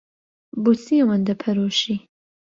بۆچی ئەوەندە پەرۆشی؟